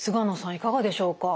いかがでしょうか？